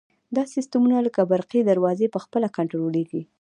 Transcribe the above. دا سیسټمونه لکه برقي دروازې په خپله کنټرولیږي.